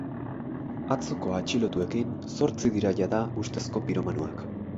Atzoko atxilotuekin zortzi dira jada ustezko piromanoak.